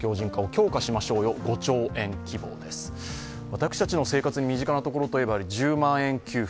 私たちの生活に身近なところといえば１０万円給付